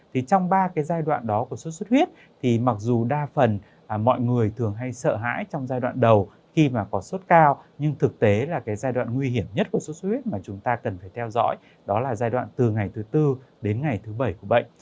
thì trong ba cái giai đoạn đó của sốt xuất huyết thì mặc dù đa phần mọi người thường hay sợ hãi trong giai đoạn đầu khi mà có sốt cao nhưng thực tế là cái giai đoạn nguy hiểm nhất của sốt xuất huyết mà chúng ta cần phải theo dõi đó là giai đoạn từ ngày thứ tư đến ngày thứ bảy của bệnh